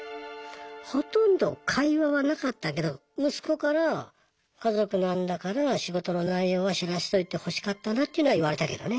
ほとんど会話はなかったけど息子から家族なんだから仕事の内容は知らしといてほしかったなっていうのは言われたけどね。